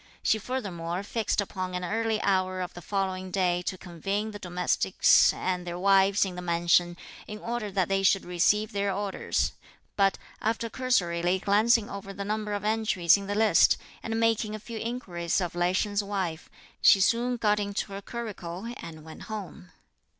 She furthermore fixed upon an early hour of the following day to convene the domestics and their wives in the mansion, in order that they should receive their orders; but, after cursorily glancing over the number of entries in the list, and making a few inquiries of Lai Sheng's wife, she soon got into her curricle, and went home.